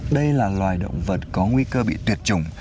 đây là loài động vật có nguy cơ bị tuyệt chủng